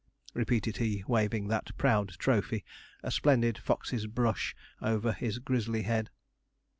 repeated he, waving that proud trophy, a splendid fox's brush, over his grizzly head.